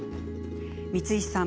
光石さん